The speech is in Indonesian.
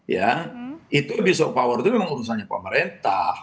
ya itu abuse of power itu memang urusannya pemerintah